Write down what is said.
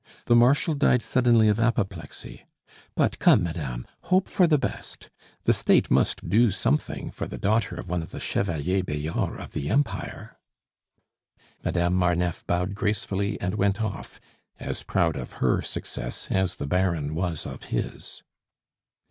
The Marshal died suddenly of apoplexy. But, come, madame, hope for the best. The State must do something for the daughter of one of the Chevalier Bayards of the Empire." Madame Marneffe bowed gracefully and went off, as proud of her success as the Baron was of his.